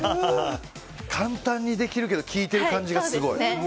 簡単にできるけど効いてる感じがすごい。